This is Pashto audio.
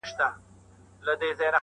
چي څنگه دېگ، هغسي ئې ټېپر.